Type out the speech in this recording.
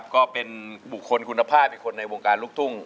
ก็เป็นบุคคลคุณภาพเป็นคนในวงการลูกทุ่ง